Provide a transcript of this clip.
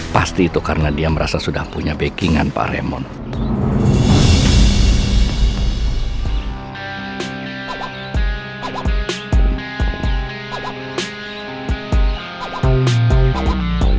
pasti itu karena dia merasa sudah punya backing an pak raymond